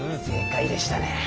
正解でしたね。